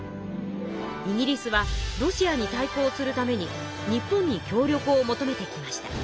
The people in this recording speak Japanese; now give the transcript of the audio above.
イギリスはロシアに対抗するために日本に協力を求めてきました。